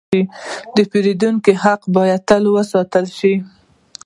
د پیرودونکو حق باید تل وساتل شي.